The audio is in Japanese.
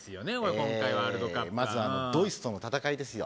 今回ワールドカップはまずドイツとの戦いですよ